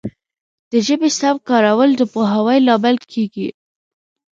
د ژبي سم کارول د پوهاوي لامل کیږي.